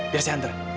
biar saya hantar